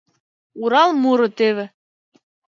— Урал муро теве: